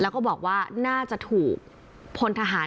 แล้วก็บอกว่าน่าจะถูกพลทหาร